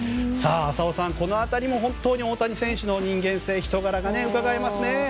浅尾さん、この辺りも本当に大谷選手の人間性、人柄がうかがえますよね。